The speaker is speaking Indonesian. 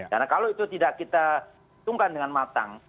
karena kalau kita menghitungkan dengan matang